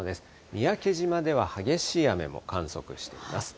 三宅島では激しい雨も観測しています。